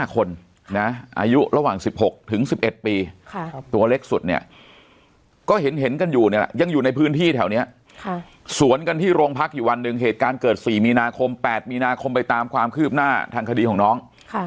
อายุระหว่าง๑๖ถึง๑๑ปีตัวเล็กสุดเนี่ยก็เห็นกันอยู่เนี่ยแหละยังอยู่ในพื้นที่แถวนี้สวนกันที่โรงพักอยู่วันหนึ่งเหตุการณ์เกิด๔มีนาคม๘มีนาคมไปตามความคืบหน้าทางคดีของน้อง